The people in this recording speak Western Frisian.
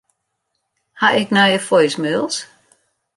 Ha ik nije voicemails?